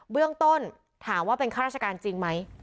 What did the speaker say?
เรื่องต้นถามว่าเป็นข้าราชการจริงไหม